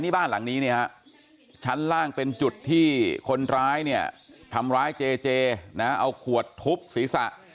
นี่บ้านหลังนี้เนี่ยฮะชั้นล่างเป็นจุดที่คนร้ายเนี่ยทำร้ายเจเจนะเอาขวดทุบศีรษะ